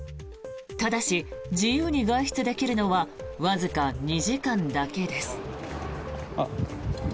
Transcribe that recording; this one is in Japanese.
ただし、自由に外出できるのはわずか２時間だけです。